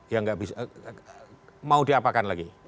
yang nggak bisa mau diapakan lagi